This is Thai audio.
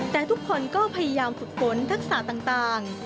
แต่ทุกคนก็พยายามฝึกฝนทักษะต่าง